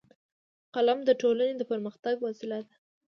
قلم د ټولنې د پرمختګ وسیله ده